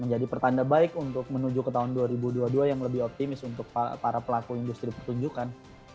menjadi pertanda baik untuk menuju ke tahun dua ribu dua puluh dua yang lebih optimis untuk para pelaku industri pertunjukan